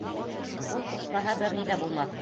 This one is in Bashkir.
Ул ҡушмаһа, бер ни ҙә булмаҫ.